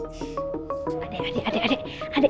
adik adik adik